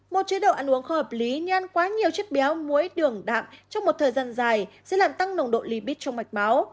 một chế độ ăn uống không hợp lý như ăn quá nhiều chất béo muối đường đạm trong một thời gian dài sẽ làm tăng nồng độ lipid trong mạch máu